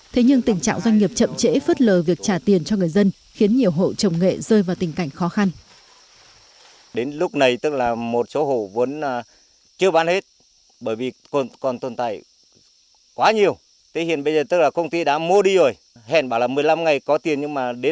thế nhưng tình trạng doanh nghiệp chậm trễ phớt lờ việc trả tiền cho người dân khiến nhiều hộ trồng nghệ rơi vào tình cảnh khó khăn